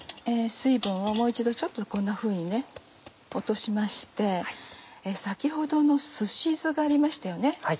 水分をもう一度ちょっとこんなふうに落としまして先ほどのすし酢がありましたよね。